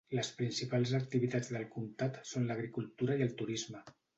Les principals activitats del comtat són l'agricultura i el turisme.